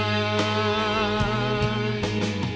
เพราะตัวฉันเพียงไม่อาทัม